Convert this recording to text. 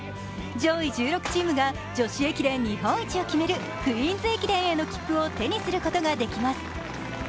上位１６チームが女子駅伝日本一を決めるクイーンズ駅伝への切符を手にすることができます。